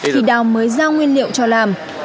thì đào mới giao nguyên liệu cho làm